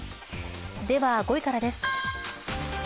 では、５位からです。